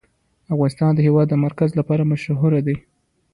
افغانستان د د هېواد مرکز لپاره مشهور دی.